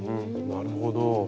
なるほど。